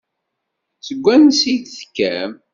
Seg wansi i d-tekkam?